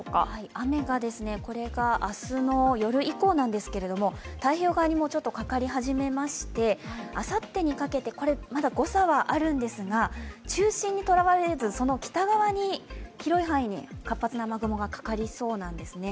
雨が、これが明日の夜以降なんですけれども太平洋側にかかり始めましてあさってにかけて、まだ誤差はあるんですが、中心にとらわれず、その北側に、広い範囲に活発な雨雲がかかりそうなんですね。